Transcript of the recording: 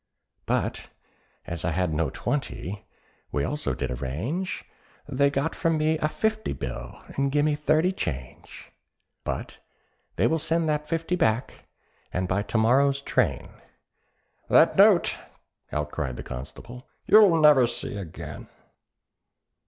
"But as I had no twenty, we also did arrange, They got from me a fifty bill, and gimme thirty change; But they will send that fifty back, and by to morrow's train——" "That note," out cried the constable, "you'll never see again."